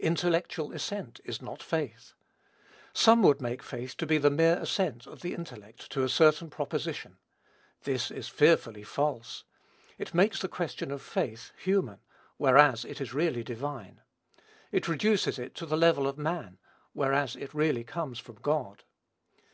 Intellectual assent is not faith. Some would make faith to be the mere assent of the intellect to a certain proposition. This is fearfully false. It makes the question of faith human, whereas it is really divine. It reduces it to the level of man, whereas it really comes from God.